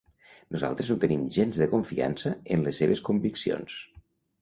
Nosaltres no tenim gens de confiança en les seves conviccions.